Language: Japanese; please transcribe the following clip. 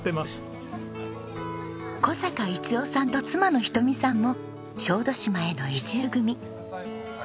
小坂逸雄さんと妻のひとみさんも小豆島への移住組。